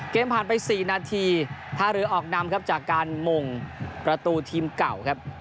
ผ่านไป๔นาทีท่าเรือออกนำครับจากการมงประตูทีมเก่าครับ